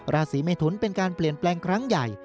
ราศีเมทุนเป็นการเปลี่ยนแปลงครั้งใหญ่